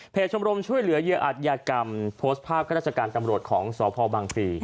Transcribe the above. เพจชมรมช่วยเหลือเยอะอัดยากรรมโพสต์ภาพข้าราชการตำรวจของสภบางภีร์